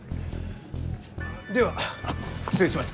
では失礼します。